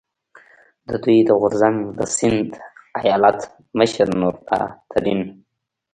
د دوی د غورځنګ د سیند ایالت مشر نور الله ترین،